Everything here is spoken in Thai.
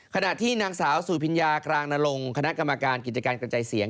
ขณะที่นางสาวสุพิญญากลางนรงคณะกรรมการกิจการกระจายเสียง